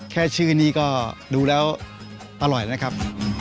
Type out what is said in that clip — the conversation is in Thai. แค่ชื่อนี้ก็ดูแล้วอร่อยนะครับ